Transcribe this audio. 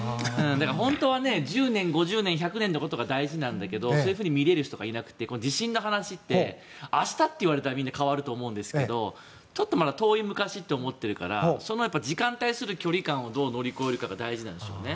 本当は１０年、５０年１００年のことが大事なんだけどそう見れる人がいなくて地震の話って明日って言われたらみんな変わると思うんですけどちょっとまだ遠いと思っているから時間に対する距離感をどう乗り越えるかが大事なんですよね。